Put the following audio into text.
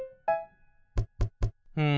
うん。